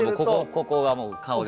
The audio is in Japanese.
ここがもう顔で。